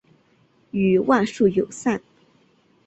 与万树友善。